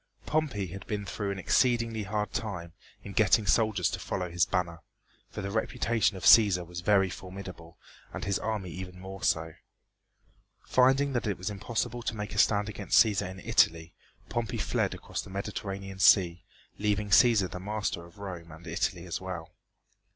Pompey had been through an exceedingly hard time in getting soldiers to follow his banner, for the reputation of Cæsar was very formidable and his army even more so. Finding that it was impossible to make a stand against Cæsar in Italy, Pompey fled across the Mediterranean Sea, leaving Cæsar the master of Rome and Italy as well.